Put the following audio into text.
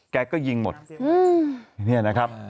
แกก็ยิงหมดเนี่ยนะครับ